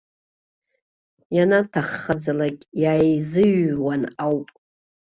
Ианаҭаххаӡалак иааизыҩҩуан ауп.